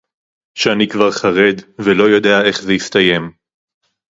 שאני כבר חרד ולא יודע איך זה יסתיים